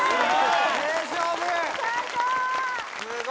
すごい！